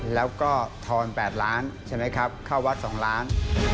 แล้วก็ทอน๘ล้านใช่ไหมครับเข้าวัด๒ล้าน